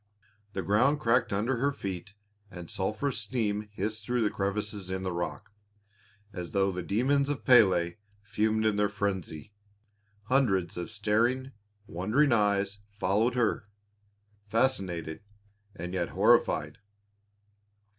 The ground cracked under her feet and sulphurous steam hissed through crevices in the rock, as though the demons of Pélé fumed in their frenzy. Hundreds of staring, wondering eyes followed her, fascinated and yet horrified.